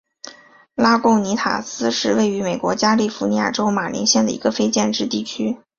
拉贡尼塔斯是位于美国加利福尼亚州马林县的一个非建制地区。